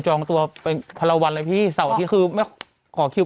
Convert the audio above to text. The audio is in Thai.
จองตัวเป็นภรรณอะไรพี่เสาร์อาทิตย์คือขอคิว